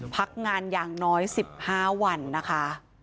พักงานอย่างน้อย๑๕วันนะคะ